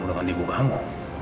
ketemu dengan ibu kamu